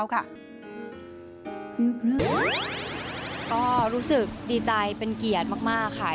ก็รู้สึกดีใจเป็นเกียรติมากค่ะ